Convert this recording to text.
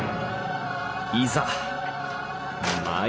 いざ参る。